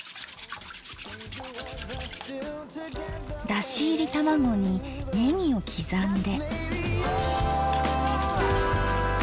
だし入り卵にねぎを刻んで。